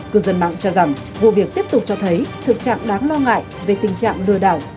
cư dân mạng cho rằng vụ việc tiếp tục cho thấy thực trạng đáng lo ngại về tình trạng lừa đảo